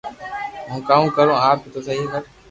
ھون ڪاوُ ڪارو اپ تو سھي ڪر